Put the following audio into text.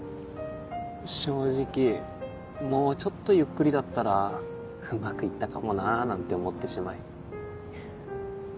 正直もうちょっとゆっくりだったらうまくいったかもななんて思ってしまい。